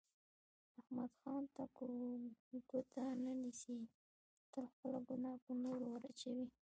احمد ځان ته ګوته نه نیسي، تل خپله ګناه په نورو ور اچوي.